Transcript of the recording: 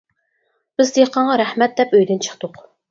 بىز دېھقانغا رەھمەت دەپ ئۆيدىن چىقتۇق.